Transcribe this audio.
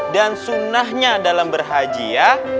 dan sunnahnya dalam berhaji ya